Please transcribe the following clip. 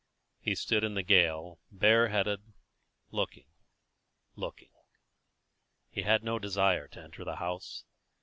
He stood in the gale, bare headed, looking, looking; he had no desire to enter the house.